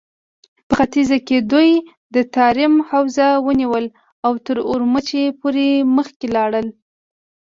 په ختيځ کې دوی د تاريم حوزه ونيوله او تر اورومچي پورې مخکې لاړل.